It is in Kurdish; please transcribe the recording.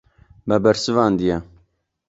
Me bersivandiye.